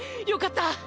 よかった。